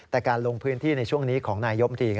แต่การลงพื้นที่ในช่วงนี้ของนายยมดี